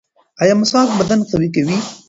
ایا مسواک بدن قوي کوي؟